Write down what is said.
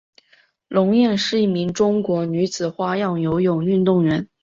龙艳是一名中国女子花样游泳运动员。